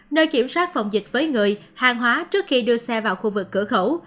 nơi kiểm soát phòng dịch với người hàng hóa trước khi đưa xe vào khu vực cửa khẩu